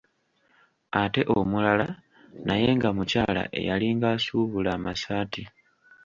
Ate omulala, naye nga mukyala, eyalinga asuubula amasaati.